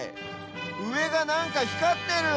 うえがなんかひかってる！